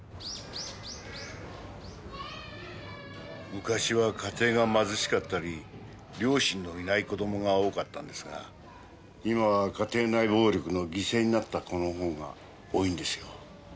昔は家庭が貧しかったり両親のいない子供が多かったんですが今は家庭内暴力の犠牲になった子の方が多いんですよ。